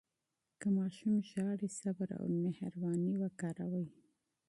که ماشوم ژاړي، صبر او مهرباني وکاروئ.